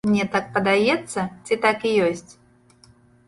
Мне так падаецца ці так і ёсць?